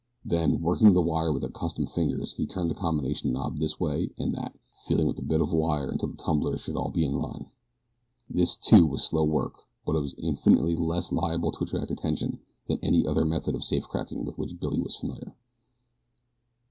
Then, working the wire with accustomed fingers, he turned the combination knob this way and that, feeling with the bit of wire until the tumblers should all be in line. This, too, was slow work; but it was infinitely less liable to attract attention than any other method of safe cracking with which Billy was familiar.